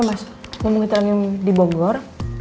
eh mas ngomongin terang terang di bogor